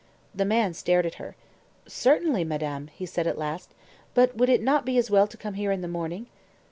The man stared at her. "Certainly, madame," he said at last; "but would it not be as well to come here in the morning?"